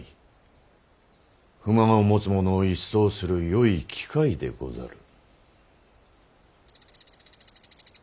不満を持つ者を一掃するよい機会でござる。